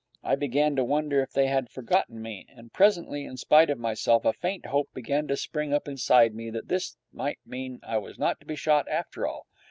I began to wonder if they had forgotten me, and presently, in spite of myself, a faint hope began to spring up inside me that this might mean that I was not to be shot after all.